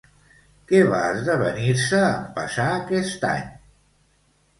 Què va esdevenir-se en passar aquest any?